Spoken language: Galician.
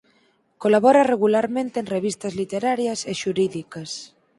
Colabora regularmente en revistas literarias e xurídicas.